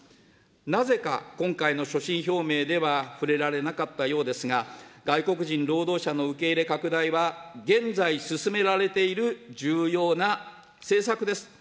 なぜか、今回の所信表明では触れられなかったようですが、外国人労働者の受け入れ拡大は、現在進められている重要な政策です。